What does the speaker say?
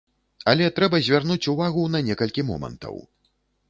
Але трэба звярнуць увагу на некалькі момантаў.